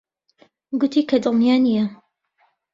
گوتی کە دڵنیا نییە.